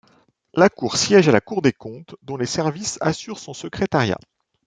La Cour siège à la Cour des comptes, dont les services assurent son secrétariat.